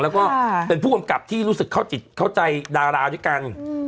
แล้วก็เป็นผู้กำกับที่รู้สึกเข้าจิตเข้าใจดาราด้วยกัน